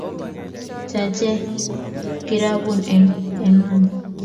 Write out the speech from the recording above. Cha che kirabun en emani